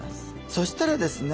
そしたらですね